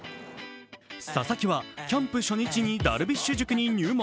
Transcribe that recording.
佐々木はキャンプ初日にダルビッシュ塾に入門。